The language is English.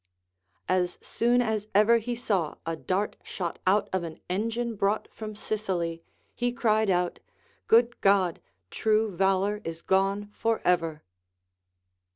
As soon as ever he saw a dart shot out of an engine brought from Sicily, he cried out. Good God ! true valor is gone for ever.